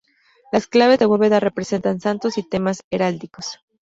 Las claves de bóveda representan santos y temas heráldicos.